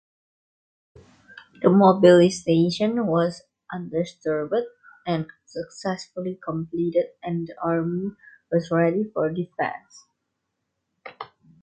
The mobilization was undisturbed and successfully completed and the army was ready for defense.